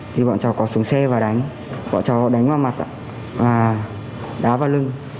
thì bọn cháu có xuống xe và đánh bọn cháu đánh vào mặt và đá vào lưng